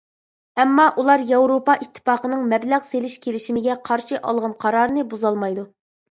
ئەمما ئۇلار ياۋروپا ئىتتىپاقىنىڭ مەبلەغ سېلىش كېلىشىمىگە قارشى ئالغان قارارىنى بۇزالمايدۇ.